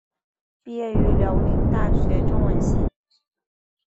毕业于辽宁大学中文系。